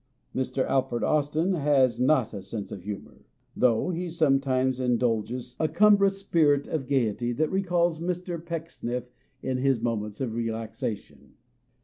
Mr. Alfred Austin has not a sense of humour, though he sometimes indulges a cumbrous spirit of gaiety that recalls Mr. Pecksniff in his moments of relaxation.